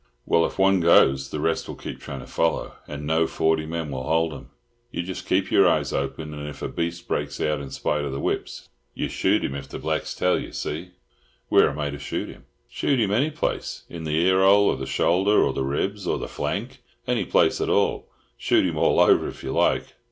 Well, if one goes, the rest keep trying to follow, and no forty men will hold 'em. You just keep your eyes open, and if a beast breaks out in spite of the whips, you shoot him if the blacks tell you. See?" "Where am I to shoot him?" "Shoot him any place. In the earhole, or the shoulder, or the ribs, or the flank. Any place at all. Shoot him all over if you like.